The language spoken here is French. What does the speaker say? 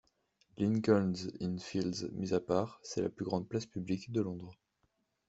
Lincoln's Inn Fields mis à part, c’est la plus grande place publique de Londres.